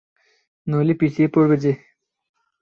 নইলে পিছিয়ে পড়বে যে।